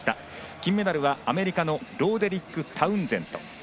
金メダルはアメリカのローデリック・タウンゼント。